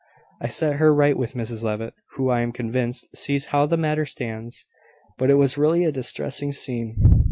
I set her right with Mrs Levitt, who, I am convinced, sees how the matter stands. But it was really a distressing scene."